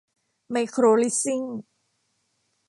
ไมโครลิสซิ่ง